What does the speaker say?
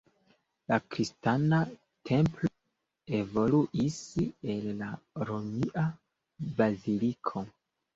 La kristana templo evoluis el la romia baziliko.